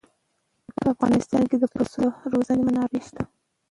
په افغانستان کې د پسونو د روزنې منابع شته.